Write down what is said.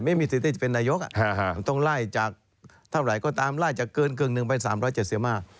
ไม่มีสิทธิ์ที่จะเป็นนายกต้องไล่จากเกินครึ่งหนึ่งไป๓๗๕